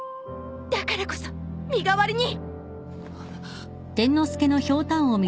だからこそ身代わりに。